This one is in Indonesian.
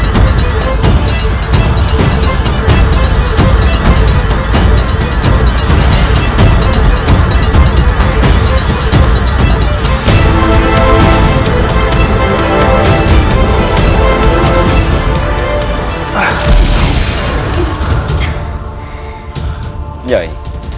ha s knak